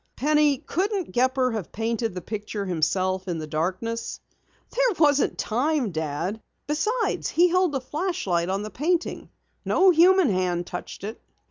Penny, couldn't Gepper have painted the picture himself in the darkness?" "There wasn't time, Dad. Besides, he held a flashlight on the painting. No human hand touched it."